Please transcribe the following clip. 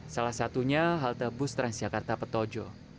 salah satunya halte bus transjakarta petojo